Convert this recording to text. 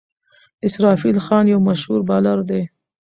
اسرافیل خان یو مشهور بالر دئ.